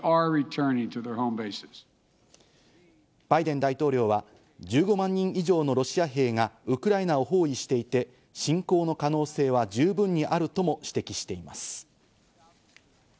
バイデン大統領は１５万人以上のロシア兵がウクライナを包囲していて、侵攻の可能性は十分にあるとも指摘しています。